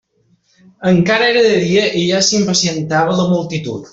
Encara era de dia i ja s'impacientava la multitud.